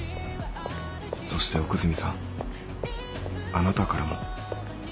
そして奥泉さんあなたからも。